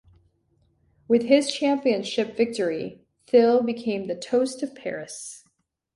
With his championship victory, Thil became the toast of Paris.